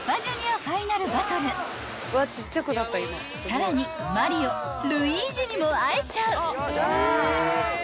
［さらにマリオルイージにも会えちゃう］